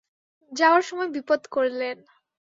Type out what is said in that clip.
যাওয়ার সময় বিপদ করলেন।